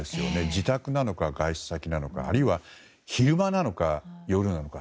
自宅なのか、外出先なのかあるいは、昼間なのか夜なのか。